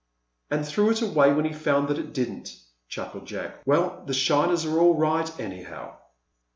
"And threw it away when he found that it didn't," chuckled Jack. "Well, the shiners are all right, anyhow!"